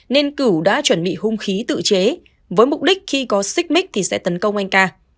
nên cửu đã chuẩn bị hung khí tự chế với mục đích khi có xích mít thì sẽ tấn công anh ca